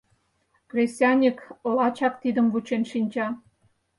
Кресаньык лачак тидым вучен шинча.